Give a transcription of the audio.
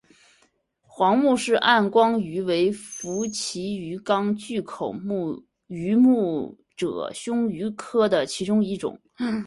皇穆氏暗光鱼为辐鳍鱼纲巨口鱼目褶胸鱼科的其中一种。